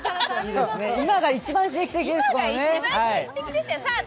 今が一番刺激的ですよね。